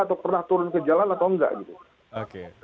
atau pernah turun ke jalan atau tidak